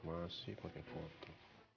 masih pake foto